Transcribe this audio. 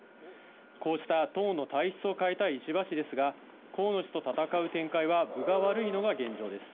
こうした党の体質を変えたい石破氏ですが、河野氏と戦う展開は分が悪いのが現状です。